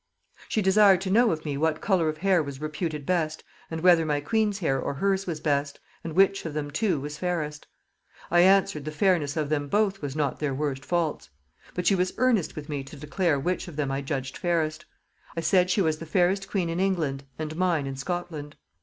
"She desired to know of me what colour of hair was reputed best, and whether my queen's hair or hers was best, and which of them two was fairest? I answered, the fairness of them both was not their worst faults. But she was earnest with me to declare which of them I judged fairest? I said, she was the fairest queen in England, and mine in Scotland.